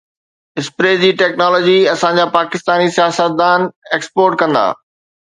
spray جي technology اسان جا پاڪستاني سياستدان ايڪسپورٽ ڪندا